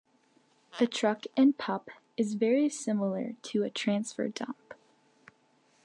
A "truck and pup" is very similar to a transfer dump.